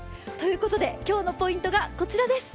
今日のポイントがこちらです。